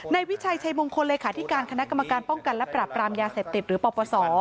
วิชัยชัยมงคลเลขาธิการคณะกรรมการป้องกันและปรับรามยาเสพติดหรือปปศ